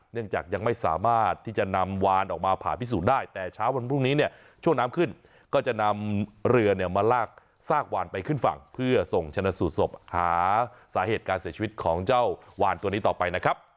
จากยังไม่สามารถที่จะนำวานออกมาผ่าพิสูจน์ได้แต่เช้าวันพรุ่งนี้เนี่ยช่วงน้ำขึ้นก็จะนำเรือเนี่ยมาลากซากวานไปขึ้นฝั่งเพื่อส่งชนะสูตรศพหาสาเหตุการเสียชีวิตของเจ้าวานตัวนี้ต่อไปนะครับ